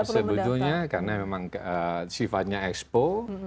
sebetulnya karena memang sifatnya expo